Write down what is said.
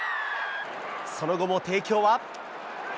その後も帝京は。